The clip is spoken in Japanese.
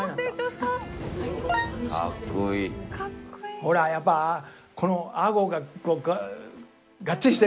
ほらやっぱこのあごががっちりしてるでしょ。